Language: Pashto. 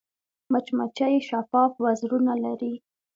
مچمچۍ شفاف وزرونه لري